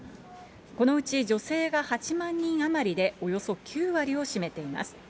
このうち女性が８万人余りでおよそ９割を占めています。